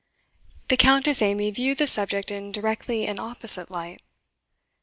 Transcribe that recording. The Countess Amy viewed the subject in directly an opposite light.